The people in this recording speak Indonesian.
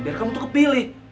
biar kamu tuh kepilih